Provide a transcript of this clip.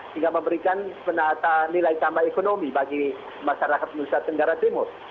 hingga memberikan penata nilai tambah ekonomi bagi masyarakat indonesia tenggara timur